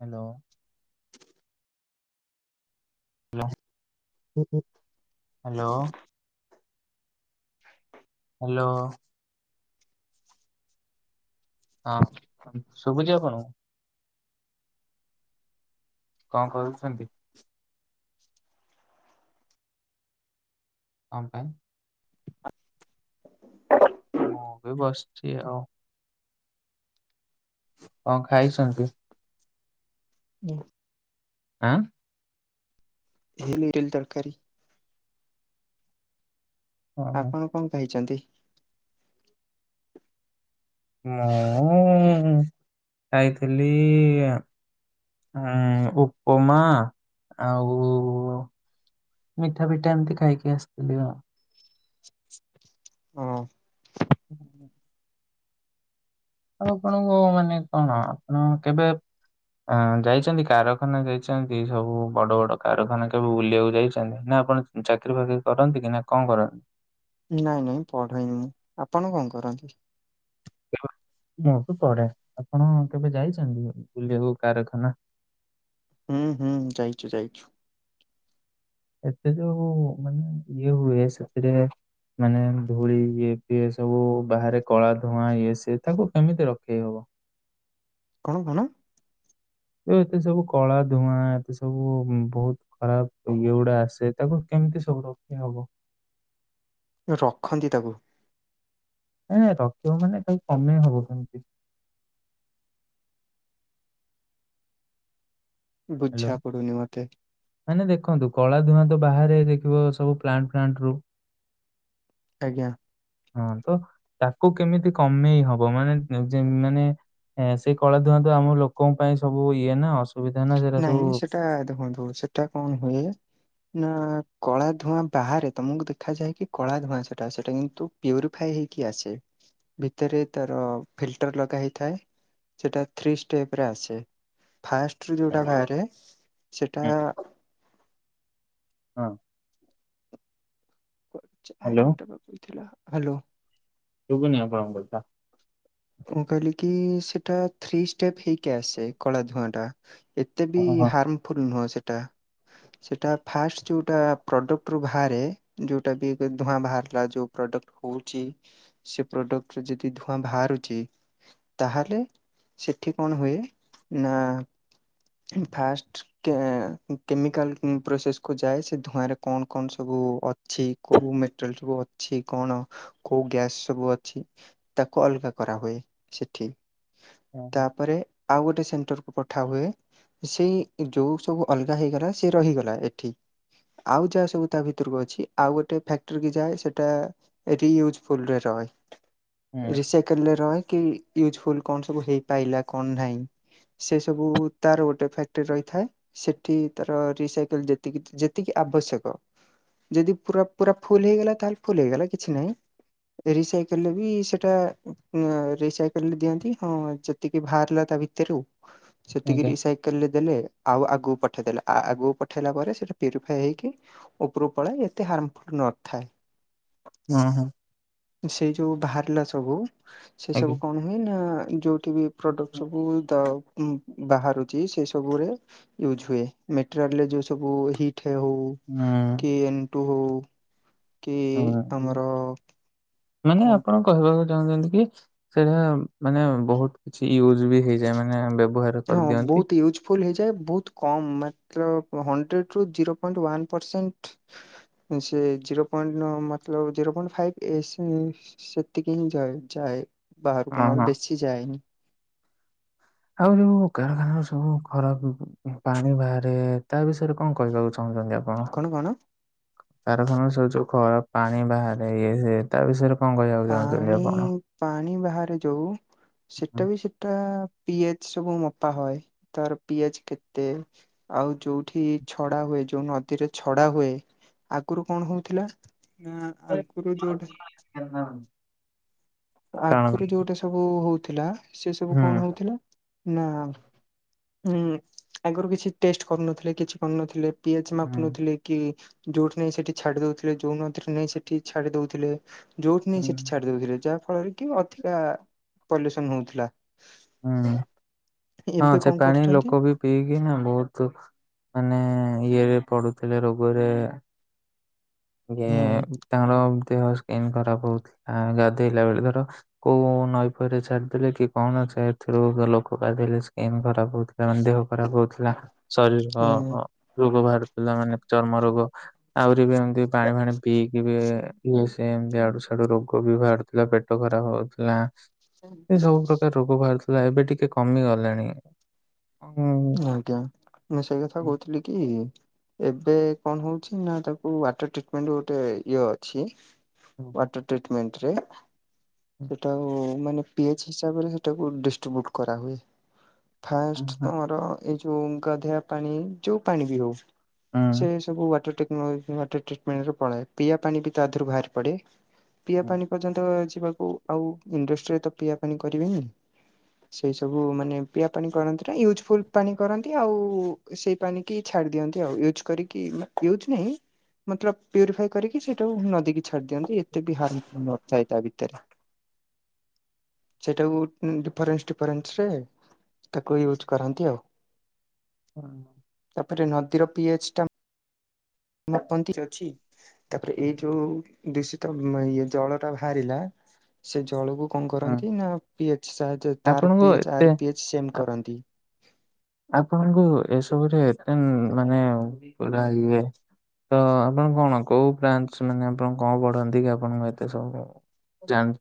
Hello. Hello [unintelligible] hello. ହଁ hello. ହଁ ଶୁଭୁଛି ଆପଣଙ୍କୁ। କଣ କରୁଛନ୍ତି? ଆମ ପାଇଁ? [inaudible] ମୁଁ ବି ବସିଛି ଆଉ। କଣ ଖାଇଛନ୍ତି? ନାଁ। ଆଁ। ହେ ମେରିଲ ତରକାରୀ। ଓହୋ ଆପଣ କଣ ଖାଇଛନ୍ତି? ମୁଁ ଉଁ ଖାଇଥିଲି ଇ ଆ? ହଁ ଉପମା ଆଉ ମିଠା ପିଠା ଏମିତି ଖାଇକି ଆସିଥିଲି ଆଉ। ହଁ। ହୁଁ ହଁ। ଆଉ ଆପଣଙ୍କୁ ମାନେ କଣ ଆପଣ କେବେ ଅ ଯାଇଛନ୍ତି କାରଖାନା ଯାଇଛନ୍ତି ସବୁ ବଡ ବଡ କାରଖାନା କେବେ ବୁଲିବାକୁ ଯାଇଛନ୍ତି ନା। ଆପଣ ଚାକିରୀ ଫାକିରୀ କରନ୍ତି କି ନା କଣ କରନ୍ତି? ନାଇଁ ନାଇଁ ପଢେନି ଆପଣ କଣ କରନ୍ତି? ହଁ ମୁଁ ତ ପଢେ ଆପଣ କେବେ ଯାଇଛନ୍ତି ବୁଲିବାକୁ କାରଖାନା? ହୁଁ ହୁଁ ଯାଇଛୁ ଯାଇଛୁ। ଏତେ ଯ ମାନେ ଇଏ ହୁଏ ସେଥିରେ ମାନେ ଧୂଳି ଇଏ ସିଏ ସବୁ ବାହାରେ କଳା ଧୂଆଁ ଇଏ ସିଏ ତାକୁ କେମିତି ରଖେଇ ହବ। [inaudible] କଣ କଣ? ଯ ଏତେ ସବୁ କଳା ଧୂଆଁ ଏତେ ସବୁ ବହୁତ ଖରାପ ଇଏ ଗୁଡା ଆସେ ତାକୁ କେ ଏମିତି ସବୁ ରୋକି ହବ। ରଖନ୍ତି ତାକୁ ନାଇ ନାଇଁ [unintelligible] ରଖି ମାନେ ତାକୁ କମେଇ ହବ କେମିତି ବୁଝା ହ୍ୟାଲୋ ପଡୁନି ମୋତେ। ମାନେ ଦେଖନ୍ତୁ କଳା ଧୂଆଁ ତ ବାହାରେ ଦେଖିବ ସବୁ ପ୍ଲାଣ୍ଟ ଫ୍ଲାଣ୍ଟ ରୁ ଆଜ୍ଞା। ହଁ ତ ତାକୁ କେମିତି କମେଇ ହବ ମାନେ ନିଜେ ମାନେ ହଁ ସେଇ କଳା ଧୁଆଁ ତ ଆମ ଲୋକଙ୍କ ପାଇଁ ସବୁ ଇଏ ନା ଅସୁବିଧା ନା ସେଇଟା। ନାଇଁ ସେଟା ଦେଖନ୍ତୁ ସେଟା କଣ ହୁଏ ନା କଳା ଧୂଆଁ ବାହାରେ ତମକୁ ଦେଖାଯାଏ କି କଳା ଧୂଆଁ ସେଟା ସେଇଟା କିନ୍ତୁ ପ୍ୟୁରିଫା ହେଇକି ଆସେ। ଭିତରେ ତାର ଫିଲଟର ଲଗା ହେଇଥାଏ। ସେଇଟା ଥ୍ରୀ ଷ୍ଟେପ ରେ ଆସେ। ଯୋଉଟା ବାହାରେ ସେଇଟା ହଁ। Hello hello. ଶୁଭୁନି ଆପଣ କଥା। ମୁଁ କହିଲି କି ସେଇଟା ଥ୍ରୀ ଷ୍ଟେପ ହେଇକି ଆସେ ଏ କଳା ଧୁଆଁ ଟା। ଏତେ ବି ହଁ ହଁ ହାର୍ମଫୁଲ ନୁହଁ ସେଇଟା। ସେଇଟା ଫାଷ୍ଟ ଯୋଉଟା ପ୍ରଡକ୍ଟ ରୁ ବାହାରେ ଯୋଉଟା ବି ଧୂଆଁ ବାହାରିଲା ଯୋଉ ପ୍ରଡ୍ ହଉଛି ସେ ପ୍ରଡକ୍ଟ ଯଦି ଧୂଆଁ ବାହାରୁ ଛି ତାହେଲେ ସେଠି କଣ ହୁଏ ନା। ଫାଷ୍ଟ କେ କେମିକାଲ ପ୍ରୋସେସ୍ କୁ ଯାଏ ସେ ଧୂଆଁ ରେ କଣ କଣ ସବୁ ଅ କୋଉ ମଟେରିଆଲ ସବୁ ଅଛି କଣ କୋଉ ଗ୍ୟାସ ସବୁ ଅଛି ତାକୁ ଅଲଗା କରାହୁଏ ସେଠି ହଁ ହଁ, ତାପରେ ଆଉ ଗୋଟେ ସେଣ୍ଟରକୁ ପଠା ହୁଏ ସେଇ ଯୋଉ ସବୁ ଅଲଗା ହେଇଗଲା ସେ ରହିଗଲା ଏଠି ଆଉ ଯାହା ସବୁ ତା ଭିତରକୁ ଅଛି ଆଉ ଗୋଟେ ଫ୍ୟାକ୍ଟରି କି ଯାଏ ସେଟା ୟୁଜଫୁଲରେ ର ଥାଏ ହୁଁ ରିସାଇକେଲରେ ରହେ କି ୟୁଜଫୁଲ କଣ ସବୁ ହେଇପାରଲା କଣ ନାହିଁ ସେ ସବୁ ତାର ଗୋଟେ ଫ୍ୟାକ୍ଟ୍ରି ରହିଥାଏ ସେଠି ତାର ରିସାଇକେଲ ଯେତିକି ଯେତିକି ଆବଶ୍ୟକ ଯଦି ପୁରା ପୁରା ଫୁଲ ହେଇଗଲା ତାହେଲେ ଫୁଲ ହେଇଗଲା କିଛି ନାହିଁ। ରିସାଇକେଲରେ ବି ସେଇଟା ରିସାଇକେଲରେ ଦିଅନ୍ତି ହଁ ଯେତିକି ବାହାରିଲା ତା ଭିତରୁ ଆଜ୍ଞା ସେତିକିରି ସାଇକେଲରେ ଦେଲେ ଆଉ ଆଗକୁ ପଠେଇଦେଲେ ଆଗକୁ ପଠେଇଲା ପରେ ସେଟା ପ୍ୟୁରିଫାଇ ହେଇକି ଉପରୁକୁ ପଳେଇ ଏତେ ହାର୍ମଫୁଲ ନ ନଥାଏ। ହଁ ହଁ ସେ ଯୋଉ ବାହାରିଲା ସବୁ ସେ ସବୁ ଆଜ୍ଞା। କଣ ହୁଏ ନା ଯୋଉ ଟିଭି ପ୍ରଡ଼କ୍ଟ ହୁଁ ସବୁ ଦାଅ ଉଁ ବାହାରୁଛି ସେ ସବୁରେ ୟୁଜ୍ ହୁଏ ମେଟେରିଆଲ ରେ ଯେଉଁ ସବୁ ହିଟ୍ ଠେ ହଉ କି ଏଣ୍ ଟୁ ହଉ କି ହୁଁ ଆମର ମାନେ କଣ ତ ଆପଣ କହିବାକୁ ଚାହୁଁଛନ୍ତି କି ସେଇଟା ମାନେ ବହୁତ କିଛି ୟୁଜ ବି ହେଇଯାଏ ମାନେ ବ୍ୟବହାର ହଁ କରିଦିଅନ୍ତି। ବହୁତ ୟୁଜଫୁଲ ହେଇଯାଏ ବହୁତ କମ ମା ତ ହଣ୍ଡ୍ରେଡ ରୁ ଜିରୋ ପଏଣ୍ଟ ୱାନ ପରସେଣ୍ଟ ସେ ଜିରୋ ପଏଣ୍ଟ ମ ମତଲବ୍ ଜିରୋ ପଏଣ୍ଟ ଫାଇବ ଏସ ସେତିକି ହିଁ ଯାଏ। ବାହାର କୁ ହଁ ହଁ ନହେଲେ ବେଶି ଯାଏନି। ଆଉ ଯୋଉ କାରଖାନ ର ସବୁ ଖରାପ ଉ ପାଣି ବାହାରେ ତା ବିଷୟରେ କଣ କହିବାକୁ ଚାହୁଁଛନ୍ତି ଆପ୍ ଣ କଣ କଣ କାରଖାନା ସ ଯ ଖରାପ ପାଣି ବାହାରେ ଇଏ ତା ବିଷୟରେ କଣ କହିବାକୁ ଚାହୁଁଛନ୍ତି ପାଣି ଆପଣ? ପାଣି ବାହାରେ ଯୋଉ ସେଇଟା ବି ସେଇଟା ପିଆଜି ସବୁ ମପା ହଏ ତାର ପିଆଜି କେତେ ଆଉ ଯୋଉଠି ଛଡା ହୁଏ। ଯୋଉ ନଦୀରେ ଛଡା ହୁଏ ଆଗରୁ କଣ ହଉଥିଲା ନାଁ ଆଗରୁ ଯୋଉ କାରଣ ଆଗରୁ ଯୋଉଟା ସବୁ ହଉଥିଲା ସେ ସବୁ ହୁଁ କଣ ହଉଥିଲା ନା ହୁଁ ଆଗରୁ କିଛି ଟେଷ୍ଟ କରୁନଥିଲେ କିଛି କରୁନଥିଲେ ପି ଏଚ ହୁଁ ମାପୁ ନଥିଲେ କି ଯୋଉଠି ନେଇ ସେଠି ଛାଡି ଦଉଥିଲେ ଯୋଉ ନଦୀରେ ନାଇ ସେଠି ଛାଡି ଦଉଥିଲେ। ଯୋଉଠି ନେଇ ସେଠି ଛାଡି ଦଉଥିଲେ ଯାହା ଫଳରେ କି ଅଧିକା ପଲ୍ୟୁସନ ହଉଥିଲା। ହୁଁ। ହଁ ଏବେ ସେ କଣ ପାଣି କରୁଛନ୍ତି ଲୋକ ବି ପିଇକି ନା ବହୁତ ମାନେ ଇଏରେ ପଡୁଥିଲେ ରୋଗରେ। ଯେ ହୁଁ ତାଙ୍କର ଦେହ ସ୍କିନ୍ ଖରାପ ହଉଥିଲା ଗାଧୋଇଲା ବେଳେ ଧର କୋଉ ନଈ ପହିରେ ଛାଡିଦେଲେ କି କଣ ସାୟତଥୁରୁ ଲୋକ ଗାଧେଇଲେ ସ୍କିନ୍ ଖରାପ ହଉଥିଲା ମାନେ ଦେହ ଖରାପ ହଉଥିଲା। ଶରୀର ହୁଁ ଅ ରୋଗ ବାହାରୁଥିଲା ମାନେ ଚର୍ମ ରୋଗ ଆହୁରି ବି ଏମିତି ପାଣି ଫାଣି ପିଇକି ବି ଇଏ ସେ ଏମତି ଇଆଡୁ ସିଆଡୁ ରୋଗ ବି ବାହରୁଥିଲା ପେଟ ଖରାପ ହଉଥିଲା ଏ ସବୁ ପ୍ରକାର ରୋଗ ବାହାରୁଥିଲା। ହେଲା ଏବେ ଟିକେ କମି ଗଲାଣି। ହୁଁ ଆଜ୍ଞା ମୁଁ ସେଇ କଥା ହୁଁ କହୁଥିଲି କି ଏବେ କଣ ହଉଛି ନା ତାକୁ ୱାଟର ଟିଟମେଣ୍ଟ ଗୋଟେ ଇଏ ଅଛି ହୁଁ ୱାଟର ଟିଟମେଣ୍ଟ ରେ ସେଇଟା ମାନେ ପି ଏଚ୍ ହିସାବରେ ହେଇ ଟାକୁ ଡିଷ୍ଟ୍ରିବୁଟ୍ କରା ହୁଏ ଫାଷ୍ଟ ହୁଁ ର ଏଇ ଯୋଉ ଗାଧୁଆ ପାଣି ଯୋଉ ପାଣି ବି ହଉ ସେ ହୁଁ ସବୁ ୱାଟର ଟେକ୍ ର ୱାଟର ଟ୍ରିଟମେଣ୍ଟ ର ପାଣି ପିଆବା ପାଣି ବି ତାଧିରୁ ବାହାରି ପଡେ ପିଇବା ହୁଁ ପାଣି ପର୍ଯ୍ୟନ୍ତ ଦେଖିବାକୁ ଆଉ ଇଣ୍ଡଷ୍ଟିରେ ତ ପିଇବା ପାଣି କରିବେନି। ସେଇ ସବୁ ମାନେ ପିଆ ପାଣି କରନ୍ତି। ୟୁଜ ଫୁଲ ପାଣି କରନ୍ତି ଆଉ ସେଇ ପାଣି କିି ଛାଡି ଦିଅନ୍ତି ଆଉ ୟୁଜ୍ କରିକି ୟୁଜ ନାହିଁ। ମତଲବ ପ୍ୟୁରିଫାଇ କରିକି ସେଇଟାକୁ ନଦୀ କୁ ଛାଡି ଦିଅନ୍ତି ଏତେ ବି ହାର୍ମଫୁଲ ନଥାଏ ତା ଭିତରେ। ସେଇଟାକୁ ଡିଫରେନ୍ସ କରନ୍ତି ସେ। ତାକୁ ୟୁଜ୍ କରାନ୍ତି ଆଉ। ହୁଁ। ତାପରେ ନଦୀର ପିଏଚ୍ ଟା। ମାପନ୍ତିରେ ଅଛି ତାପରେ ଏଇ ଯୋଉ ଦୂଷିତ ଉମ୍ ଇଏ ଜଳ ଟା ବାହାରିଲା ସେ ଜଳକୁ କଣ ହୁଁ। କରନ୍ତି ନା ପି ଏ ସାହାର୍ଯ୍ୟ ତାର ଆପଣଙ୍କୁ ପି ଏଚ୍ ଏତେ ୟାର ପି ଏଚ୍ ସେମ୍ କରନ୍ତି। ଆପଣଙ୍କୁ ଏସବୁରେ ଏଫ୍ ଏମ୍ ମାନେ ପୁରା ଇଏ ତ ଆପଣ କଣ କୋଉ ବାଞ୍ଚ ମାନେ ଆପଣ କଣ ପଢନ୍ତି କି ଆପଣଙ୍କୁ ଏତେ ସବୁ ଯାଣ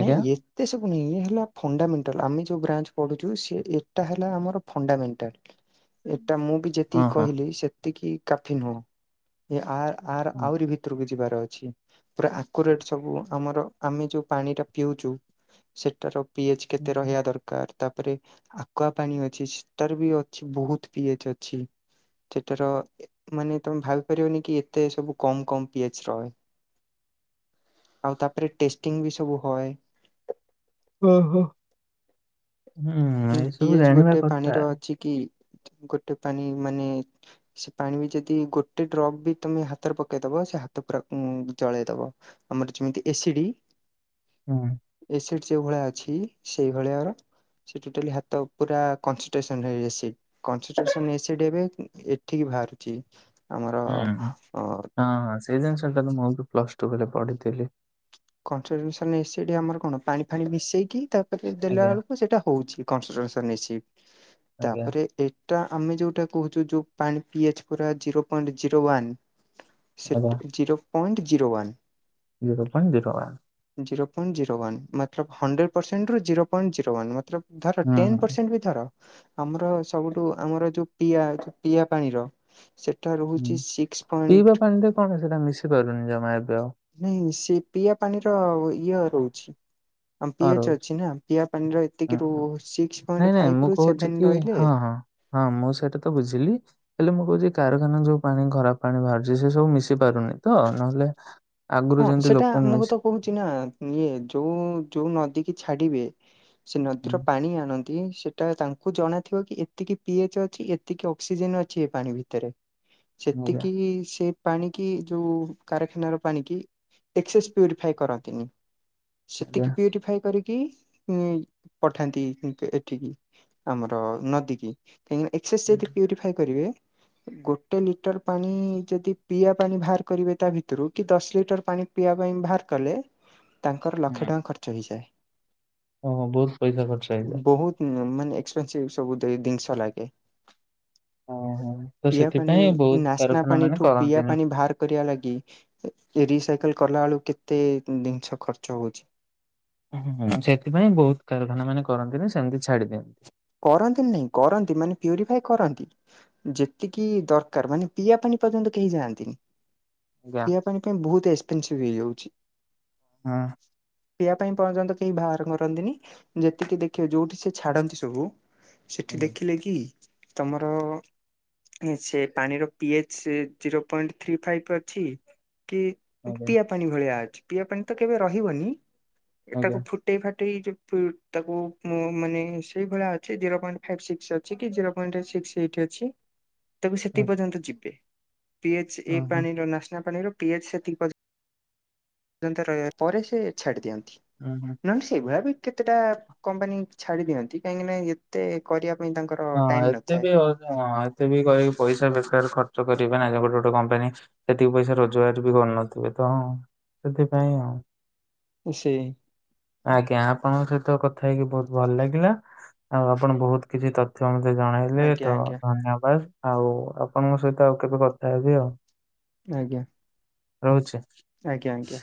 ନାଁଇ ଏତେ ସବୁ ଇଏ ହେଲା ଫଣ୍ଡାମେଣ୍ଟାଲ ଆମେ ଯୋଉ ବ୍ରାଞ୍ଚ ପଢୁଚୁ ସିଏ ଏଟା ହେଲା ଆମର ଫଣ୍ଡାମେଣ୍ଟାଲ। ଏଟା ମୁଁ ବି ହଁ ଯେତିକି ହଁ। କହିଲି ସେତିକି କାଫି ନୁହଁ। ଏ ଆ ଆର ଆହୁରି ଭିତରକୁ ଯିବାର ଅଛି। ପୁରା ଆକୁରେଟ୍ ସବୁ ଆମର ଆମେ ଯୋଉ ପାଣି ଟା ପିଉଚୁ। ସେଟାର ପିଏଚ୍ କେତେ ହଁ। ରହିବା ଦରକାର। ତା ପରେ ଆକୁଆ ପାଣି ଅଛି। ସେଟାର ବି ଅଛି ବୋହୁତ ପି ଏଚ୍ ଅଛି। ସେଟାର ଏ ମାନେ ତମେ ଭାବି ପାରିବନି କି ଏତେ ସବୁ କମ୍ କମ୍ ପିଏଚ୍ ରହେ। ଆଉ ତାପରେ ଟେଷ୍ଟିଂ ବି ସବୁ ହଏ। ଓହୋ ହୁଁ ଏସବୁ ପିଏଚ ଜାଣିବା ଗୋଟେ କଥା। ପାଣିର ଅଛି କି ଗୋଟେ ପାଣି ମାନେ ସେ ପାଣି ବି ଯଦି ଗୋଟେ ଡ୍ରପ ବି ତମେ ହାତରେ ପକେଇଦବ ହାତ ପୁରା ଉଁ ଜଳେଇ ଦବ ଆମର ଯେମିତି ଏ ସି ଡି ହଁ। ସେଇ ଭଳିଆ ଅଛି ସେଇଭଳିଆ ର ସେ ଟୋଟାଲୀ ହାତ ପୁରା କନଶିଷ୍ଟେସନ୍ ରେ ଏସି କନଶିଷ୍ଟେସନ୍ ରେ ଏସି ଦେବେ ଠିକ ବାହାରୁଚି ଆମର ହୁଁ ହୁଁ ଅ ହଁ ହଁ ସେଇ ଜିନିଷା ଟା ବି ମୁଁ ବି ପ୍ଲସ ଟୁ ବେଳେ ପଢିଥିଲି। କନଶିଷ୍ଟେସନ୍ ଏସି ରେ ଆମର କଣ ପାଣି ଫାଣି ମିଶେଇକି ତାପରେ ଦେଲା ଆଜ୍ଞା। ବେଳକୁ ସେଇଟା ହଉଚି। କନଶିଷ୍ଟେସନ୍ ଏସି ଆଜ୍ଞା ତାପରେ ଏ ଟା ଆମେ ଯୋଉଟା କହୁଚୁ ଯଉ ପାଣି ପି ଏଚ୍ ପୁରା ଜିରୋ ପଏଣ୍ଟ ଜିରୋ ୱାନ୍। ଆଜ୍ଞା ସେଟ zero point zero one. Zero point zero one. Zero point zero one ମାତ୍ର ହଣ୍ଡ୍ରେଟ୍ ପରସେଣ୍ଟ ରୁ ଜିରୋ ପଏଣ୍ଟ ଯୋରୋ ୱାନ୍ ମାତ୍ର ଧର ହୁଁ ଟେନ ହୁଁ। ପରସେଣ୍ଟ ବି ଧର। ଆମର ସବୁଠୁ ଆମର ଯୋଉ ପିଆ ଯୋଉ ପିଆ ପାଣିର ସେଟା ରହୁଚି ହୁଁ। ସିକ୍ସ ପିଇବା ପଏଣ୍ଟ ପାଣିରେ କଣ ସେଟା ମିଶି ପାରୁନି ଜମା ଏବେ ଆଉ ନାଇଁ ସେଇ ପିଇବା ପାଣିର ଇଏ ରହୁଛି ଆମ ପି ହଁ ଏଚ୍ ରହୁଛି ଅଛି ନା ପିଆ ପାଣିର ଏତିକି ରୁ ହୁଁ। ସିକ୍ସ ନାଇଁ ପଏଣ୍ଟ ନାଇଁ ମୁଁ ଫାଇଭ ରୁ କହୁଛି ସେଭନ କି ରହିଲେ ହଁ ହଁ ହଁ ମୁଁ ସେଇଟା ତ ବୁଝିଲି ହେଲେ ମୁଁ କହୁଚି କାରଖାନା ଯୋଉ ପାଣି ଖରାପ ପାଣି ବାହାରୁଚି ସେ ସବୁ ମିଶି ପାରୁନି ତ ନହେଲେ ଆଗରୁ ହଁ ଯେମିତି ସେଟା ଲୋକ ମୁମକୁ ମିଶି ତ କହୁଛି ନା ଇଏ ଯୋଉ ଯୋଉ ନ [unintelligible] ଛାଡିବେ ସେ ହୁଁ ନଦୀର ପାଣି ଆଣନ୍ ସେଟା ତାଙ୍କୁ ଜଣାଥିବ କି ଏତିକି ପି ଏଚ ଅଛି ଏତିକି ଅକ୍ସିଜେନ ଅଛି ଏ ପାଣି ଭିତରେ ଆଜ୍ଞା ସେତିକି ସେ ପାଣି କି ଯୋଉ କାରଖାନାର ପାଣି କି ଏକ୍ସସେ ପ୍ୟୁରିଫାଏ କରନ୍ତିନି ଆଜ୍ଞା। ସେତିକି ପ୍ୟୁରିଫଏ କରି କି ଉ ପଠାନ୍ତି [unintelligible] ଏଠିକି ଆମର ନଦୀ କି କାହିଁକିନା ଏକ୍ସେସ ଯଦି ପ୍ୟୁରିଫାଇ କରିବେ। ଗୋଟେ ଲିଟର ପାଣି ଯଦି ପିଆବା ପାଣି ବାହାର କରିବେ ତା ଭିତରୁ କି ଦଶ ଲିଟର ପାଣି ପିଇବା ପାଇଁ ବାହାର କଲେ ତାଙ୍କର ଲକ୍ଷେ ହୁଁ ଟଙ୍କା ଖର୍ଚ୍ଚ ହେଇଯାଏ। ଓହୋ ବହୁତ ପଇସା ଖର୍ଚ୍ଚ ହେଇଯାଏ। ବହୁତ ମାନେ ଏକ୍ସପେସିଭ ସବୁ ଜିନିଷ ଲାଗେ। ଓହୋ। ତ ପିଆ ପାଣି ସେଥିପାଇଁ ବହୁତ ନାସ୍ନା କାରଖାନା ପାଣି ମାନେ ଠୁ ପିଆ କରନ୍ତିନି। ପାଣି ବାହାର କରିବା ଲାଗି କି ରିସାଇକେଲ କଲା ବେଳୁ କେତେ ଜିନିଷ ଖର୍ଚ୍ଚ ହଉଛି। ହୁଁ ସେଥିପାଇଁ ବହୁତ କାରଖାନା ମାନେ କରନ୍ତି ନା ସେମିତି ଛାଡି ଦିଅନ୍। କରନ୍ତି ନାଇଁ କରନ୍ତି ମାନେ ପ୍ୟୁରିଫାଇ କରନ୍ତି ଯେତିକି ଦରକାର ମାନେ ପିଇବା ପାଇଁ [unintelligible] କେହି ଯାଆନ୍ତିନି ଆଜ୍ଞା। ପିଇବା ପାଣି ପାଇଁ ବହୁତ ଏକ୍ସପେନସିଭ ହେଇଯାଉଛି। ହଁ। ପିଇବା ପାଇଁ ପର୍ଯ୍ୟନ୍ତ କେହି ବାହାର କରନ୍ତିନି ଯେତିକି ଦେଖିବ ଯୋଉଠି ସେ ଛାଡନ୍ତି ସବୁ ସେଠି ହୁଁ, ଦେଖିଲେ କି ତମର ସେ ପାଣିର P H zero point three five ଅଛି। କି ଆଜ୍ଞା ପିଆ ପାଣି ଭଳିଆ ଅଛି ପିଆ ପାଣି ତ କେବେ ରହିବନି ଆଜ୍ଞା। ଏଟାକୁ ଫୁଟେଇ ଫାଟ ଗଟଇ ତାକୁ ମାନେ ସେଇ ଭଳିଆ ଅଛି ଜିରୋ ପଏଣ୍ଟ ଫାଇ ସିକ୍ସ ଅଛି କି ଜିରୋ ପଏଣ୍ଟ ସିକ୍ସ ଏଇଟ୍ ଅଛି। ତାକୁ ସେଠ ଆଜ୍ଞା ପର୍ଯ୍ୟନ୍ତ ଯିବେ। ପିଏଚ ଏ ଓହୋ ପାଣିର ନାସ୍ନା ପାଣିର ପିଏଚ ସେଥି ରହ ପରେ ସେ ଛାଡି ଦିଅନ୍ତି ଓହୋ। ନ ସେଇଭଳିଆ କେତେଟା କମ୍ପାନୀ ଛାଡି ଦିଅନ୍ତି କାହିଁକି ନା ଯେତେ କରିବା। ପାଇଁ ତାଙ୍କର ହଁ ଟାଇମ ଏତେ ନଥାଏ। ବି ହଁ ଏତେ ବି କହିି ପଇସା ବେକାର ଖର୍ଚ୍ଚ କରିବେ ନା ଗୋଟେ ଗୋଟେ କମ୍ପାନୀ ସେତିକି ପଇସା ରୋଜଗାର ବି କରିନଥିବେ ତଁ। ସେଥିପାଇଁ ଆଉ ସେ ଆଜ୍ଞା ଆପଣ ସେ। କଥା ହେଇକି ବହୁତ ଭଲ ଲାଗିଲା ଆଉ ଆପଣ ବହୁତ କିଛି ତଥ୍ୟ ମତ ମତ ଜଣେଇଲେ ଆଜ୍ଞା ତ ଆଜ୍ଞା ଧନ୍ୟବାଦ ଆଉ ଆପଣଙ୍କ ସହିତ ଆଉ କେତେ କଥା ହେବ ଆଉ। ଆଜ୍ଞା। ରହୁଛି। ଆଜ୍ଞା ଆଜ୍ଞା।